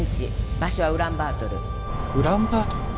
場所はウランバートルウランバートル？